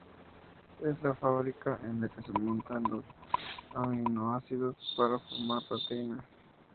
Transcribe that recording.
Es la "fábrica" en la que se montan los aminoácidos para formar proteínas.